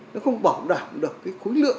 nó không bảo đảm được cái khối lượng